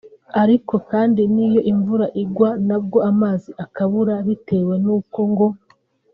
ariko kandi n’iyo imvura igwa nabwo amazi akabura bitewe n’uko ngo